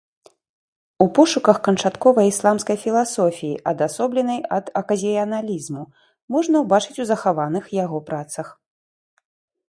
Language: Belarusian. У пошуках канчатковай ісламскай філасофіі, адасобленай ад аказіяналізму, можна ўбачыць у захаваных яго працах.